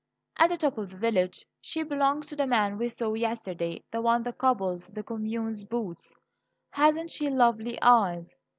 "At the top of the village. She belongs to the man we saw yesterday the man that cobbles the commune's boots. Hasn't she lovely eyes?